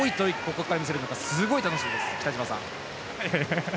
ここから見せるのか楽しみです。